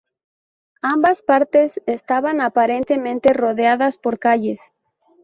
Ambas partes estaban aparentemente rodeadas por calles.